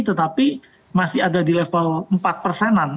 tetapi masih ada di level empat persenan